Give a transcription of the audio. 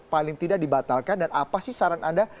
paling tidak dibatalkan dan apa sih saran anda